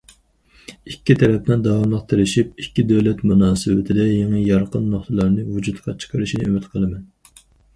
ئىككى تەرەپنىڭ داۋاملىق تىرىشىپ، ئىككى دۆلەت مۇناسىۋىتىدە يېڭى يارقىن نۇقتىلارنى ۋۇجۇدقا چىقىرىشىنى ئۈمىد قىلىمەن.